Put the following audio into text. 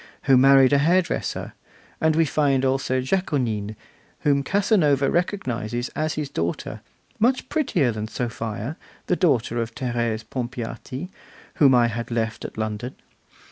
who married a hairdresser; and we find also Jaconine, whom Casanova recognises as his daughter, 'much prettier than Sophia, the daughter of Thérèse Pompeati, whom I had left at London.